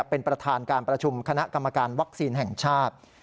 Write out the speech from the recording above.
เป็นประธานการประชุมคณะกรรมการวัคซีนแห่งชาติ